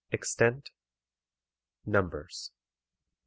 Extent. Numbers.